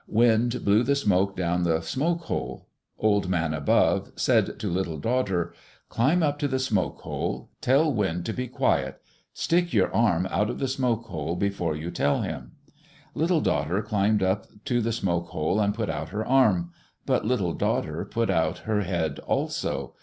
Wind blew the smoke down the smoke hole. Old Man Above said to Little Daughter: "Climb up to the smoke hole. Tell Wind to be quiet. Stick your arm out of the smoke hole before you tell him." Little Daughter climbed up to the smoke hole and put out her arm. But Little Daughter put out her head also.